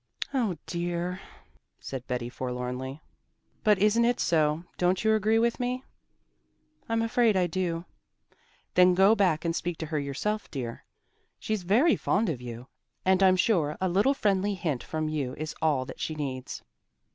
"Oh, dear!" said Betty forlornly. "But isn't it so? Don't you agree with me?" "I'm afraid I do." "Then go back and speak to her yourself, dear. She's very fond of you, and I'm sure a little friendly hint from you is all that she needs."